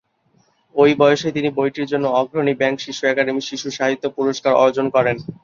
ওই বয়সেই তিনি বইটির জন্য অগ্রণী ব্যাংক-শিশু একাডেমী শিশুসাহিত্য পুরস্কার অর্জন করেন।